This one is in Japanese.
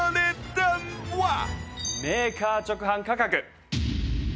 メーカー直販価格。